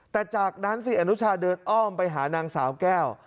แต่จากนั้นสิอนุชาเดินอ้อมไปหานางสาวแก้ว